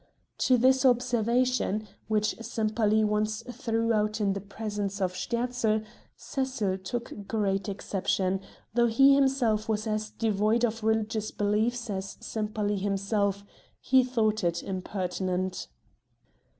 To this observation, which Sempaly once threw out in the presence of Sterzl, Cecil took great exception, though he himself was as devoid of religious beliefs as Sempaly himself; he thought it impertinent.